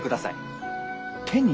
手に？